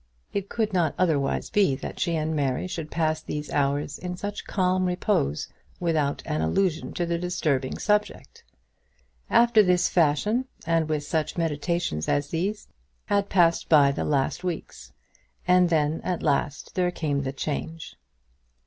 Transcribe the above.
It could not otherwise be that she and Mary should pass these hours in such calm repose without an allusion to the disturbing subject! After this fashion, and with such meditations as these, had passed by the last weeks; and then at last there came the change.